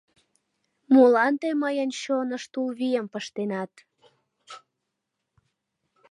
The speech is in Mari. Молан тый мыйын чоныш Тул вийым пыштенат?